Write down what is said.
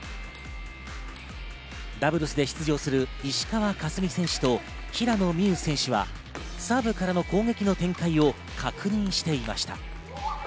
ダブルスで出場する石川佳純選手と平野美宇選手はサーブからの攻撃の展開を確認していました。